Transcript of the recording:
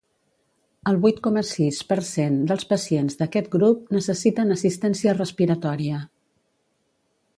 El vuit coma sis per cent dels pacients d’aquest grup necessiten assistència respiratòria.